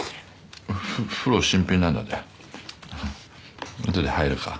風呂新品なんだぜ後で入るか？